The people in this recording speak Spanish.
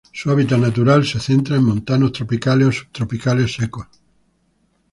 Su hábitat natural se centra en montanos tropicales o subtropicales secos.